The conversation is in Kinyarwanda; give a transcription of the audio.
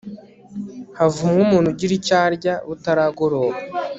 havumwe umuntu ugira icyo arya butaragoroba